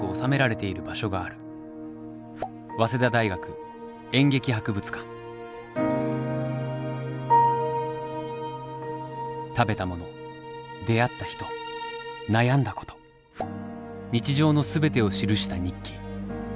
もう一度ロッパに会いたい食べたもの出会った人悩んだこと日常の全てを記した日記。